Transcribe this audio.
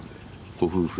ご夫婦